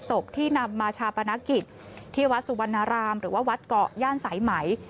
ศพที่นำมาชาปนกิจที่วัดสุวรรณรามหรือว่าวัดเกาะย่านสายไหม